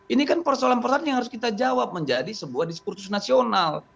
ini kan persoalan persoalan yang harus kita jawab menjadi sebuah diskursus nasional